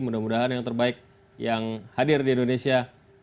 mudah mudahan yang terbaik yang hadir di indonesia